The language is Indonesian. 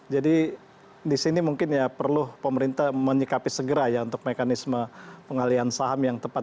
jadi di sini mungkin ya perlu pemerintah menyikapi segera ya untuk mekanisme pengalian saham yang tepat